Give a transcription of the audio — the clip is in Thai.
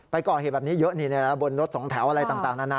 ไปก่อนเหตุแบบนี้เยอะบนรถสองแถวอะไรต่าง